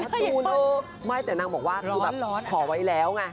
ถ้าจูนเออไม่แต่นางบอกว่าที่ขอไว้แล้วไง